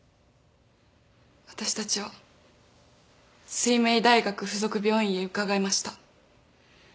私たちは翠明大学附属病院へ伺いました。